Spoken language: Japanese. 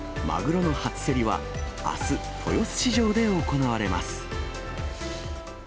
マグロの初競りはあす、豊洲市場で行われます。